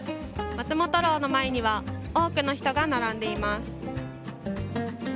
松本楼の前には多くの人が並んでいます。